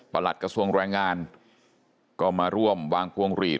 หลัดกระทรวงแรงงานก็มาร่วมวางพวงหลีด